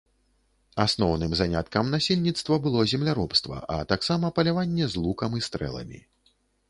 Асноўным заняткам насельніцтва было земляробства, а таксама паляванне з лукам і стрэламі.